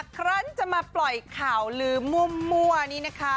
ครั้งจะมาปล่อยข่าวลืมมั่วนี่นะคะ